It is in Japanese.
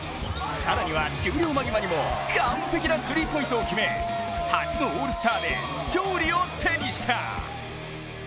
更には終了間際にも完璧なスリーポイントを決め初のオールスターで勝利を手にした！